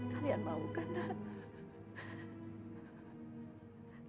kalian maukan nak